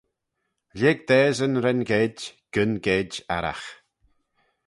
Lhig dasyn ren geid, gyn geid arragh.